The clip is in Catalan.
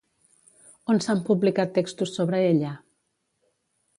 On s'han publicat textos sobre ella?